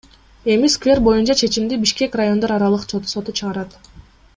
Эми сквер боюнча чечимди Бишкек райондор аралык соту чыгарат.